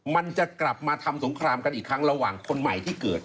มันจะกลับมาทำสงครามกันอีกครั้งระหว่างคนใหม่ที่เกิด